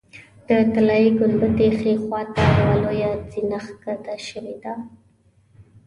د طلایي ګنبدې ښي خوا ته یوه لویه زینه ښکته شوې ده.